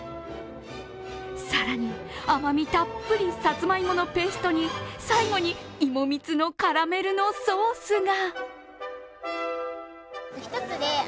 更に、甘みたっぷりさつまいものぺーストに最後に芋蜜のカラメルのソースが。